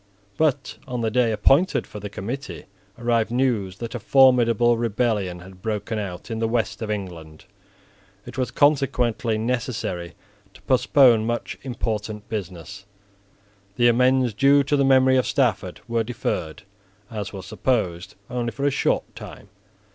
But, on the day appointed for the committee, arrived news that a formidable rebellion had broken out in the West of England. It was consequently necessary to postpone much important business. The amends due to the memory of Stafford were deferred, as was supposed, only for a short time.